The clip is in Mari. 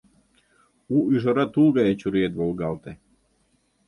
У ӱжара тул гае чуриет волгалте.